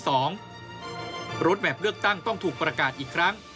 รถแบบเลือกตั้งต้องถูกประกาศอีกครั้ง